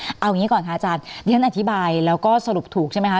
เอาอย่างนี้ก่อนค่ะอาจารย์ที่ฉันอธิบายแล้วก็สรุปถูกใช่ไหมคะ